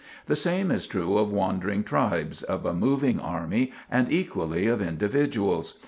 The same is true of wandering tribes, of a moving army, and equally of individuals.